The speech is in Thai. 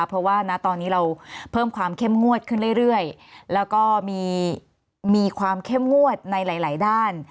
เพราะว่าณตอนนี้เราเพิ่มความเข้มงวดขึ้นเรื่อยแล้วก็มีความเข้มงวดในหลายด้าน